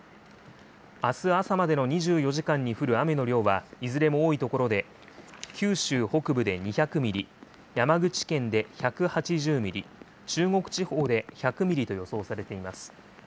あす朝までの２４時間に降る雨の量はいずれも多い所で、九州北部で２００ミリ、山口県で１８０ミリ、中国地方で１００ミリと予想されています。